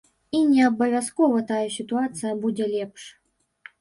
І не абавязкова тая сітуацыя будзе лепш.